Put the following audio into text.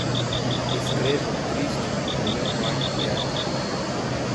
Escrevo, triste, no meu quarto quieto